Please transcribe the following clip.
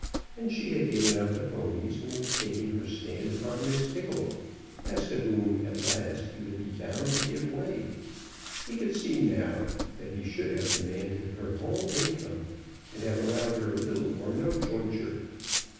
And she had given up the ponies, and was taking her stand upon Miss Tickle, as to whom at last he would be bound to give way. He could see now that he should have demanded her whole income, and have allowed her little or no jointure.